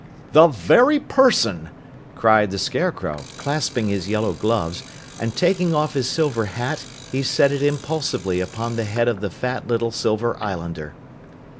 "The very person!" cried the Scarecrow, clasping his yellow gloves, and taking off his silver hat, he set it impulsively upon the head of the fat little Silver Islander.